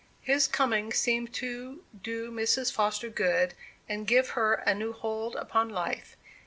His coming seemed to do Mrs. Foster good, and give her a new hold upon life.